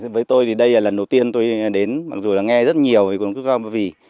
với tôi thì đây là lần đầu tiên tôi đến mặc dù là nghe rất nhiều về vườn quốc gia ba vì